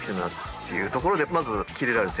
ってところでまずキレられて。